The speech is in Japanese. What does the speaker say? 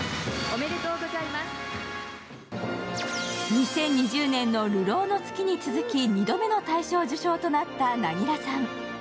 ２０２０年の「流浪の月」に続き２度目の大賞となった凪良さん。